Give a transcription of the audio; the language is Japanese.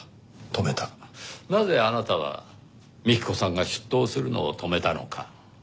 なぜあなたは幹子さんが出頭するのを止めたのか。